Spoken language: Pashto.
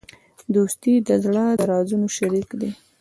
دوستي د زړه د رازونو شریک دی.